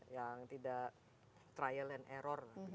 yang tidak trial and error